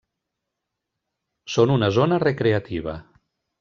Són una zona recreativa.